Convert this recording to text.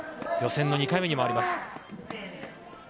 予選の２回目に回ります。